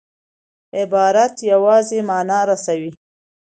عبارت یوازي مانا رسوي.